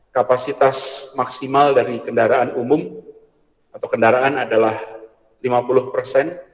kapasitas maksimal dari kendaraan umum atau kendaraan adalah lima puluh persen